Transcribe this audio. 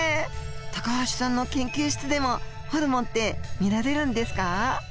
高橋さんの研究室でもホルモンって見られるんですか？